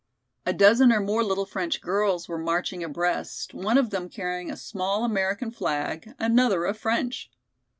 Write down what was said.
A dozen or more little French girls were marching abreast, one of them carrying a small American flag, another a French.